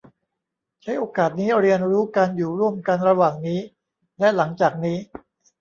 ใช้โอกาสนี้เรียนรู้การอยู่ร่วมกันระหว่างนี้และหลังจากนี้